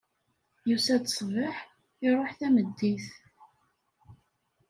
Yusa-d ṣṣbeḥ, iruḥ tameddit.